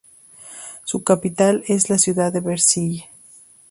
Su capital es la ciudad de Vercelli.